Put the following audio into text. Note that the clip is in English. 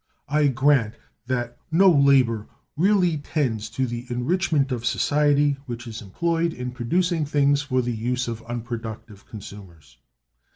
I grant that no labor really tends to the enrichment of society, which is employed in producing things for the use of unproductive consumers.